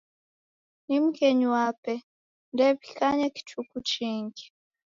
Ni mghenyu wape ndew'ikanye kichuku chingi.